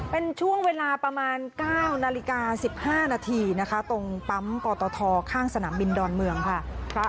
เป็นช่วงเวลาประมาณ๙นาฬิกา๑๕นาทีนะคะตรงปั๊มปตทข้างสนามบินดอนเมืองค่ะ